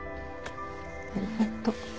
ありがとう。